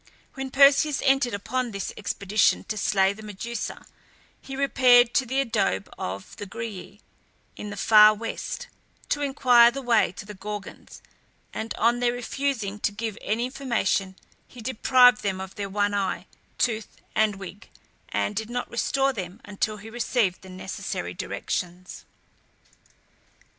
When Perseus entered upon his expedition to slay the Medusa, he repaired to the abode of the Grææ, in the far west, to inquire the way to the Gorgons, and on their refusing to give any information, he deprived them of their one eye, tooth, and wig, and did not restore them until he received the necessary directions.